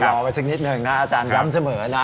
รอไปนิดหนึ่งด้วยนะอาจารย้ำเสมอ